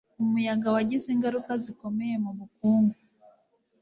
Umuyaga wagize ingaruka zikomeye mubukungu.